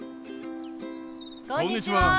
こんにちは。